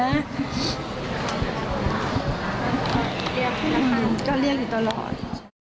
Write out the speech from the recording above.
เรียกพี่น้ำตาลก็เรียกอยู่ตลอด